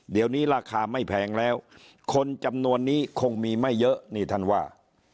เดี๋ยวนี้ราคาไม่แพงแล้วคนจำนวนนี้คงมีไม่เยอะนี่ท่านว่า